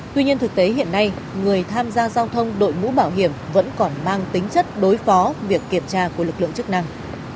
tuy nhiên thực tế hiện nay người tham gia giao thông đội mũ bảo hiểm vẫn còn mang tính chất đối phó việc kiểm tra của lực lượng chức năng